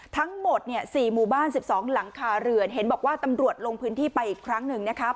ทั้งหมดเนี่ย๔หมู่บ้าน๑๒หลังคาเรือนเห็นบอกว่าตำรวจลงพื้นที่ไปอีกครั้งหนึ่งนะครับ